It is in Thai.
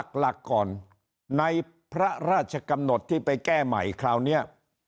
หลักก่อนในพระราชกำหนดที่ไปแก้ใหม่คราวนี้